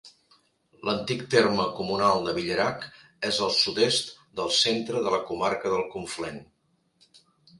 L'antic terme comunal de Villerac és al sud-est del centre de la comarca del Conflent.